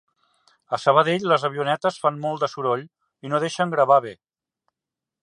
A Sabadell les avionetes fan molt de soroll i no deixen gravar bé